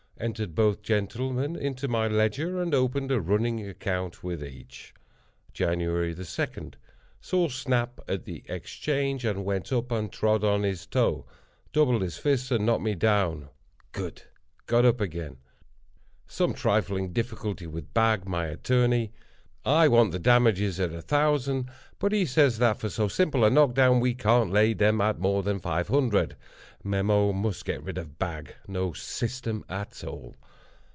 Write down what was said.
Entered both gentlemen in my Ledger, and opened a running account with each. "Jan. 2.—Saw Snap at the Exchange, and went up and trod on his toe. Doubled his fist and knocked me down. Good!—got up again. Some trifling difficulty with Bag, my attorney. I want the damages at a thousand, but he says that for so simple a knock down we can't lay them at more than five hundred. Mem—must get rid of Bag—no system at all.